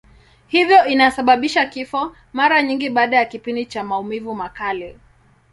Hivyo inasababisha kifo, mara nyingi baada ya kipindi cha maumivu makali.